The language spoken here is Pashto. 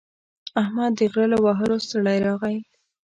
احمد د غره له وهلو ستړی راغی.